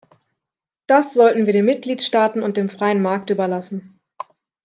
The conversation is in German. Das sollten wir den Mitgliedstaaten und dem freien Markt überlassen.